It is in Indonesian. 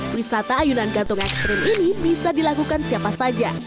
wisata ayunan gantung ekstrim ini bisa dilakukan siapa saja